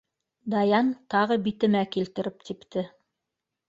Даян тағы битемә килтереп типте.